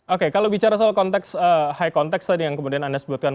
oke kalau bicara soal konteks high context tadi yang kemudian anda sebutkan